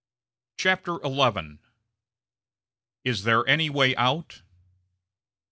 CHAPTER XI IS THERE ANY WAY OUT?